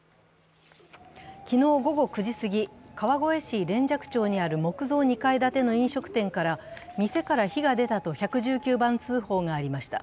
昨日午後９時すぎ、川越市連雀町にある木造２階建ての飲食店から店から火が出たと１１９番通報がありました。